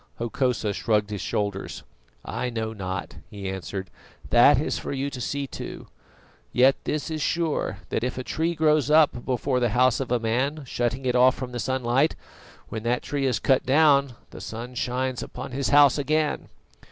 Hokosa shrugged his shoulders. "I know not," he answered; "that is for you to see to. Yet this is sure, that if a tree grows up before the house of a man, shutting it off from the sunlight, when that tree is cut down the sun shines upon his house again."